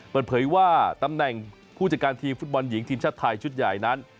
เปิดเผยว่าตำแหน่งผู้จัดการทีมฟุตบอลหญิงทีมชาติไทยชุดใหญ่นั้น